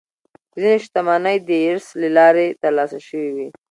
ځینې شتمنۍ د ارث له لارې ترلاسه شوې وي.